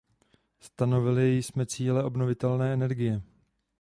Stanovili jsme cíle obnovitelné energie.